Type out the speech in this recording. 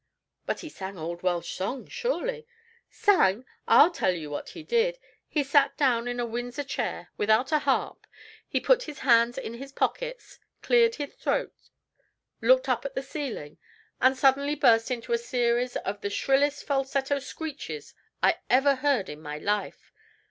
"But he sang old Welsh songs, surely?" "Sang! I'll tell you what he did. He sat down on a Windsor chair, without a harp; he put his hands in his pockets, cleared his throat, looked up at the ceiling, and suddenly burst into a series of the shrillest falsetto screeches I ever heard in my life.